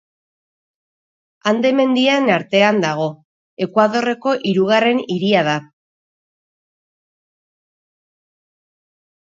Ande mendien artean dago, Ekuadorreko hirugarren hiria da.